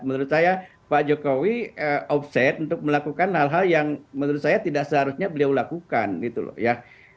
menurut saya pak jokowi offset untuk melakukan hal hal yang menurut saya tidak seharusnya beliau lakukan gitu loh ya